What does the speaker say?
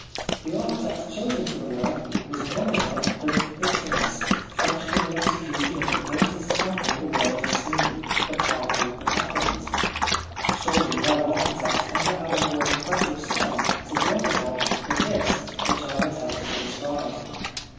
The architect chosen for the work was none other than Iktinus, fresh from the execution of the greatest temple the world has seen — the Parthenon at Athens. Surely no architect ever had a more impressive site to work upon than this which I have at tempted to describe.